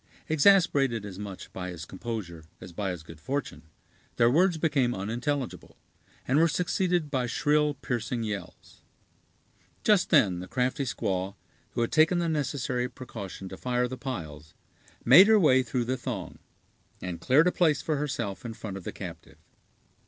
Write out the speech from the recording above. Exasperated as much by his composure as by his good fortune, their words became unintelligible, and were succeeded by shrill, piercing yells. Just then the crafty squaw, who had taken the necessary precaution to fire the piles, made her way through the throng, and cleared a place for herself in front of the captive.